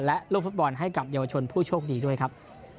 และลูกฟุตบอลให้กับเยาวชนผู้โชคดีด้วยครับ